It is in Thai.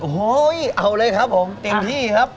โอ้โหเอาเลยครับผมเต็มที่ครับ